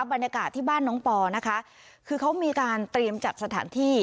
บรรยากาศที่บ้านน้องปอนะคะคือเขามีการเตรียมจัดสถานที่